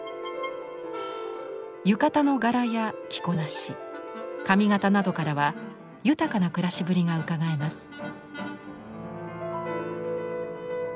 浴衣の柄や着こなし髪型などからは豊かな暮らしぶりがうかがえます。